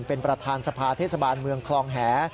เป็นประธานสภาเทศบาลเมืองคลองแห